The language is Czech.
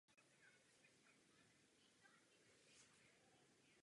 Po vylodění měl admirál zařídit návrat floty.